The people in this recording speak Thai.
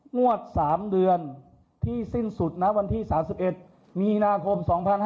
งวด๓เดือนที่สิ้นสุดนะวันที่๓๑มีนาคม๒๕๕๙